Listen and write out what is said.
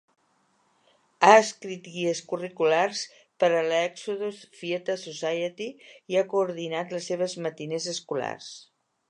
Ha escrit guies curriculars per a la Exodus Theatre Society i ha coordinat les seves matinés escolars.